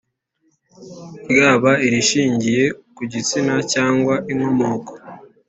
ryaba irishingiye ku gitsina cyangwa inkomoko